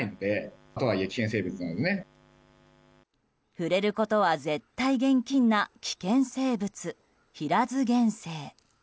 触れることは絶対厳禁な危険生物、ヒラズゲンセイ。